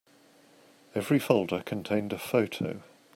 Every folder contained a photo.